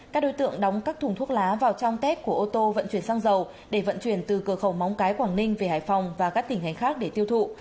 các đối tượng đóng các thùng thuốc lá vào trong tết của ô tô vận chuyển xăng dầu để vận chuyển từ cửa khẩu móng cái quảng ninh về hải phòng và các tỉnh hành khác để tiêu thụ